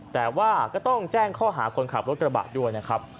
แต่ว่าก็ต้องแจ้งข้อหาคนขับรถกระบะด้วยนะครับ